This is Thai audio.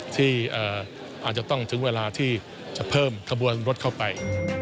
ที่อาจจะต้องถึงเวลาที่จะเพิ่มขบวนรถเข้าไป